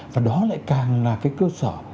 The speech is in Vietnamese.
và đó lại càng là cái cơ sở